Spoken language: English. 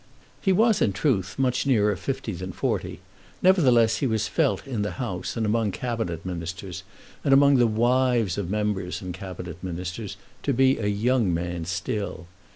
He was in truth much nearer fifty than forty; nevertheless he was felt in the House and among Cabinet Ministers, and among the wives of members and Cabinet Ministers, to be a young man still.